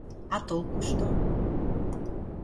А толку что?